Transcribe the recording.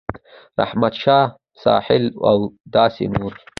رحمت شاه ساحل او داسې نور